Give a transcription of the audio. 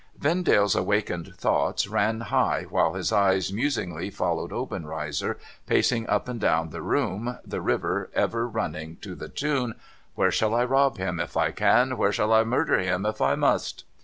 Vendale's awakened thoughts ran high while his eyes musingly followed Obenreizer pacing up and down the room, the river ever running to the tune :' Where shall I rob him, if I can ? Where shall I murder him, if I must